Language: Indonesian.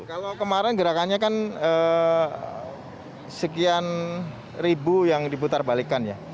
kalau kemarin gerakannya kan sekian ribu yang diputar balikan ya